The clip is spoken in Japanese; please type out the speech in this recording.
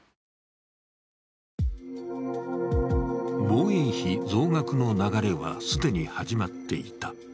防衛費増額の流れは既に始まっていた。